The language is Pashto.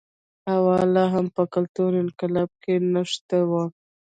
هوا لا هم په کلتوري انقلاب کې نښتی و.